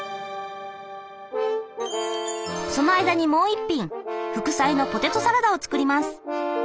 その間にもう一品副菜のポテトサラダを作ります。